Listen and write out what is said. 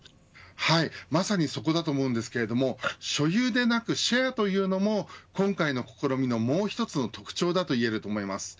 まさにそこだと思うんですけど所有でなく、シェアというのも今回の試みのもう１つの特徴だと言えると思います。